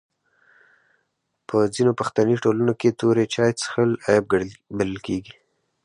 په ځینو پښتني ټولنو کي توري چای چیښل عیب بلل کیږي.